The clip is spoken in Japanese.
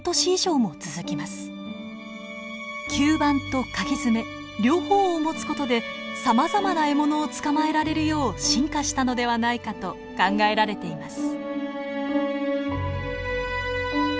吸盤とかぎ爪両方を持つ事でさまざまな獲物を捕まえられるよう進化したのではないかと考えられています。